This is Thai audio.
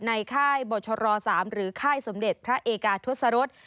ค่ายบรชร๓หรือค่ายสมเด็จพระเอกาทศรษ